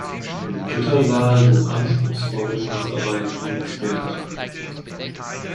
Im Rittersaal sind anspruchsvolle Schnitzereien sehenswert.